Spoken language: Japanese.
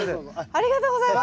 ありがとうございます！